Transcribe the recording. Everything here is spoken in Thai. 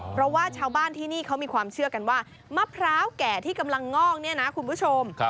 เพราะว่าชาวบ้านที่นี่เขามีความเชื่อกันว่ามะพร้าวแก่ที่กำลังงอกเนี่ยนะคุณผู้ชม